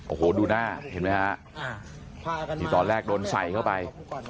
โอ้โหดูหน้าเห็นไหมฮะที่ตอนแรกโดนใส่เข้าไป